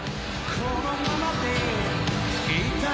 「このままでいたいのさ」